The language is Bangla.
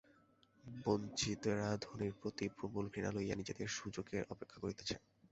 বঞ্চিতেরা ধনীর প্রতি প্রবল ঘৃণা লইয়া নিজেদের সুযোগের অপেক্ষা করিতেছে।